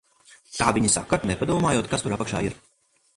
Tā viņi saka, nepadomājot, kas tur apakšā ir.